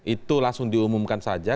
itu langsung diumumkan saja